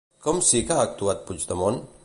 Com sí que ha actuat Puigdemont?